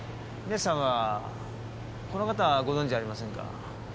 宮地さんはこの方ご存じありませんか？